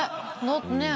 ねえ。